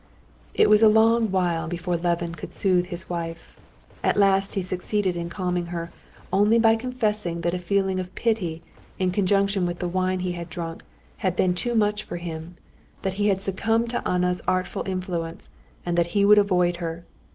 It was a long while before Levin could soothe his wife. At last he succeeded in calming her, only by confessing that a feeling of pity, in conjunction with the wine he had drunk, had been too much for him, that he had succumbed to Anna's artful influence, and that he would avoid her.